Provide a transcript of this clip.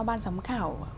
ban giám khảo